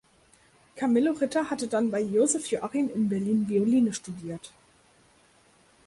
Camillo Ritter hatte dann bei Joseph Joachim in Berlin Violine studiert.